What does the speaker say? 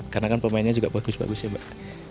karena kan pemainnya juga bagus bagus ya mbak